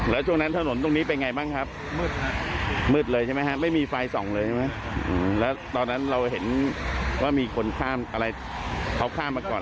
แล้วช่วงนั้นถนนตรงนี้เป็นไงบ้างครับมืดเลยใช่ไหมฮะไม่มีไฟส่องเลยใช่ไหมแล้วตอนนั้นเราเห็นว่ามีคนข้ามอะไรเขาข้ามมาก่อน